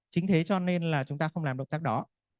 chính thế cho nên là chúng ta không làm động tác đó